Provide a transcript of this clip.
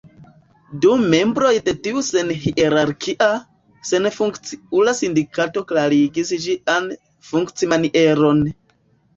Du membroj de tiu senhierarkia, senfunkciula sindikato klarigis ĝian funkcimanieron.